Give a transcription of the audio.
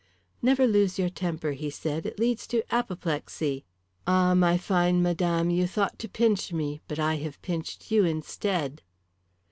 "Never lose your temper," he said. "It leads to apoplexy. Ah, my fine madam, you thought to pinch me, but I have pinched you instead."